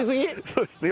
そうですね。